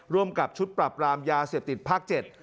ร่วมกับชุดปรับรามยาเสพติดพักเจ็ด